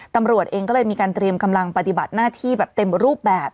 ตำรวจเองก็เลยมีการเตรียมกำลังปฏิบัติหน้าที่แบบเต็มรูปแบบ